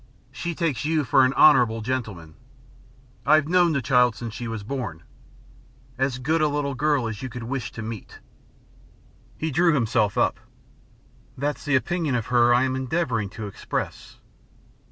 She takes you for an honourable gentleman. I've known the child since she was born. As good a little girl as you could wish to meet." He drew himself up. "That's the opinion of her I am endeavouring to express."